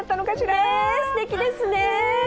ね、すてきですね。